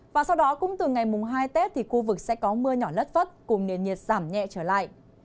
và sau đó cũng từ ngày mùng hai tết thì khu vực sẽ có mưa nhỏ lất phất cùng nền nhiệt giảm nhẹ trở lại